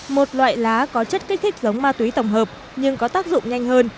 một loại lá có chất kích thích giống ma túy tổng hợp nhưng có tác dụng nhanh hơn